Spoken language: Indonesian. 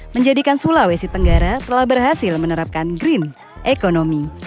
menjadikan sulawesi tenggara telah berhasil menerapkan green economy